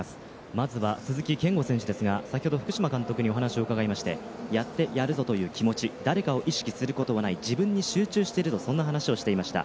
まずは鈴木健吾選手ですが、先ほど福島監督にお話を伺いましてやってやるぞという気持ち、誰かを意識することはない、自分に集中している、そんな話をしていました。